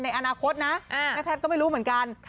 ในอนาคตนะแม่แพทย์ก็ไม่รู้เหมือนกัน